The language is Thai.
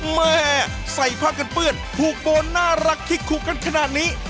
แม่ใส่ผ้ากันเปื้อนผูกโบนน่ารักที่คลุกกันขนาดนี้